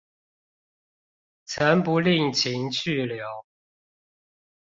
曾不吝情去留